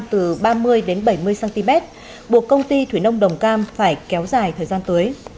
từ ba mươi bảy mươi cm buộc công ty thủy nông đồng cam phải kéo dài thời gian tưới